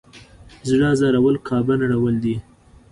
زړه ازارول کعبه نړول دی.